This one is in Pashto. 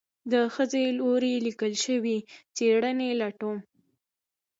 د خځې لوري ليکل شوي څېړنې لټوم